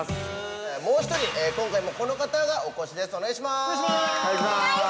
◆もう１人、今回もこの方がお越しです。